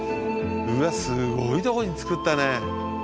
うわっすごいとこに造ったね。